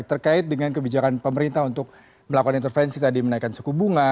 terkait dengan kebijakan pemerintah untuk melakukan intervensi tadi menaikkan suku bunga